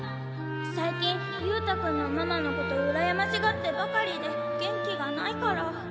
最近勇太君のママのことうらやましがってばかりで元気がないから。